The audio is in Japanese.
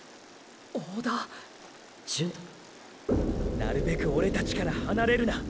なるべくオレたちから離れるな。